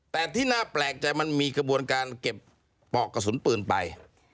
แต่ที่น่าแปลกใจมันมีกระบวนการเก็บปอกกระสุนปืนไป